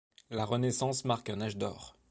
La Renaissance marque un âge d'or.